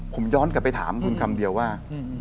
ผมย้อนกลับไปถามคุณคำเดียวว่า